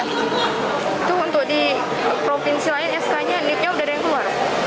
itu untuk di provinsi lain sk nya niknya udah ada yang keluar